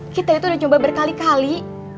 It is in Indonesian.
kita itu udah coba berkali kali